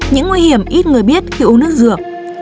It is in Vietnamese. những nguy hiểm ít người biết khi uống nước rửa